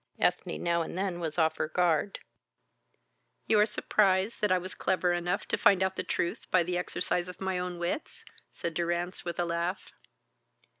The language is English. Ethne now and then was off her guard. You are surprised that I was clever enough to find out the truth by the exercise of my own wits?" said Durrance, with a laugh.